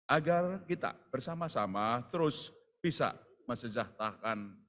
agar kita bersama sama terus bisa mensejahtahkan